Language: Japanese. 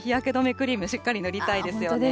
クリームしっかり塗りたいですよね。